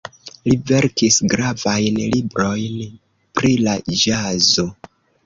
Li verkis gravajn librojn pri la ĵazo.